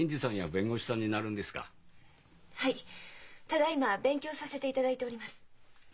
ただいま勉強させていただいております。